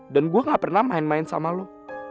dan gue nggak pernah main main sama lo